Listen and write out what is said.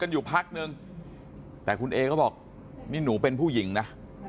คุณเอ็กซ์ก็บอกนี่หนูเป็นผู้หญิงนะ